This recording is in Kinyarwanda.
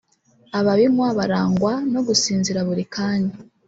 Ababinywa barangwa no gusinzira buri kanya